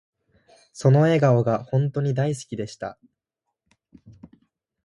その笑顔が本とに大好きでした